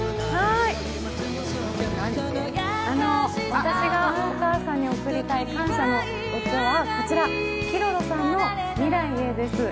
私がお母さんに贈りたい感謝の曲は、Ｋｉｒｏｒｏさんの「未来へ」です。